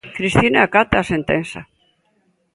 Cristina acata a sentenza.